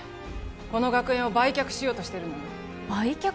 この学園を売却しようとしてるのよ売却？